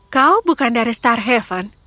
kau bukan dari starhaven